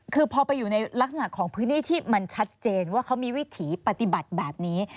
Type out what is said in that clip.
คือพอไปอยู่ในลักษณะของพื้นที่ที่มันชัดเจนว่าเขามีวิถีปฏิบัติแบบนี้